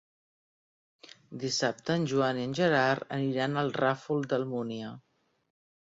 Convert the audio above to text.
Dissabte en Joan i en Gerard aniran al Ràfol d'Almúnia.